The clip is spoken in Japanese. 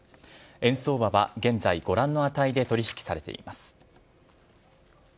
円相場は現在ご覧の値で取り引きされています。